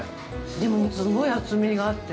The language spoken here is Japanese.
でも、すごい厚みがあって。